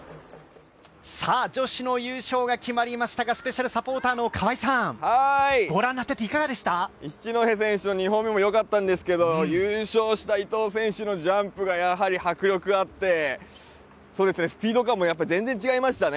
女子の優勝が決まりましたがスペシャルサポーターの河合さんご覧になっていて、いかがでしたか一戸選手、２本目もよかったですけど優勝した伊藤選手のジャンプがやはり迫力あってスピード感も全然違いましたね。